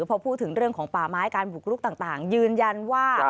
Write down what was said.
พอพูดถึงเรื่องของป่าไม้การบุกรุกต่างยืนยันว่า